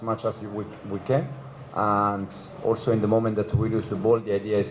พูดจริงที่จริงแค่กลายสองสัปดาห์